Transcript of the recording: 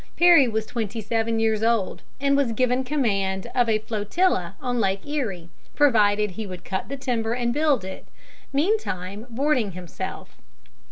Perry was twenty seven years old, and was given command of a flotilla on Lake Erie, provided he would cut the timber and build it, meantime boarding himself.